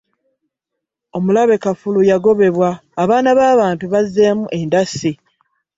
Omulabe Kafulu yagobebwa, abaana b'abantu bazzeemu endasi.